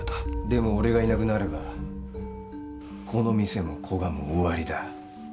でも俺がいなくなればこの店も古賀も終わりだ